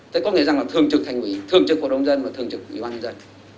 thế có nghĩa rằng là thường trực thành quỷ thường trực của đông dân và thường trực của ủy ban nhân dân